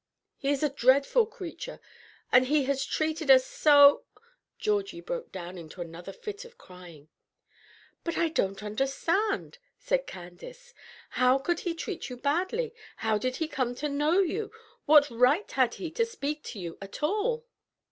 He is a dreadful creature, and he has treated us so " Georgie broke down into another fit of crying. "But I don't understand," said Candace. "How could he treat you badly? How did he come to know you? What right had he to speak to you at all?"